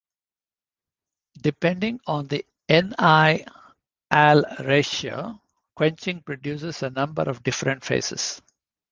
Depending on the Ni:Al ratio, quenching produces a number of different phases.